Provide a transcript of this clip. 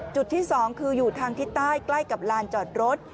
จุดที่๒คืออยู่ทางทิศใต้ใกล้กับลานจอดรถ